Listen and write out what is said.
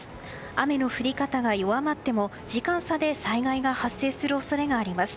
雨の降り方は弱まっても時間差で災害が発生する恐れがあります。